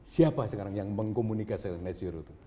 siapa sekarang yang mengkomunikasi net zero itu